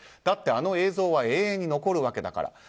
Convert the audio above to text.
だってあの映像は永遠に残るわけだから。